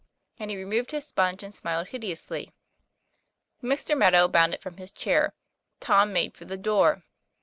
And he removed his sponge and smiled hideously. Mr. Meadow bounded from his chair; Tom made for the door.